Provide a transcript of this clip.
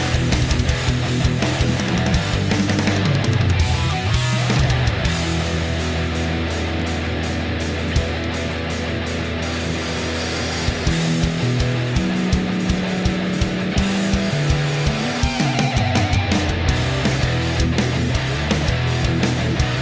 ขอบคุณทุกคนครับ